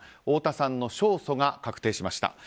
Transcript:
太田さんの勝訴が確定しました。